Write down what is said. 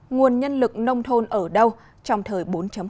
nguồn nhân lực nông thôn ở đâu trong thời bốn